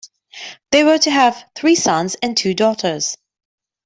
They were to have three sons and two daughters.